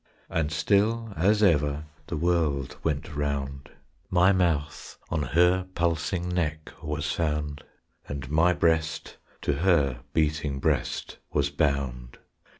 And still as ever The world went round, My mouth on her pulsing Neck was found, And my breast to her beating Breast was bound.